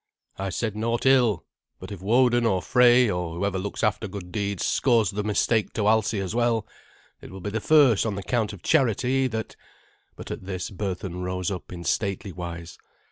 "I said naught ill. But if Woden or Frey, or whoever looks after good deeds, scores the mistake to Alsi as well, it will be the first on the count of charity that " But at this Berthun rose up in stately wise.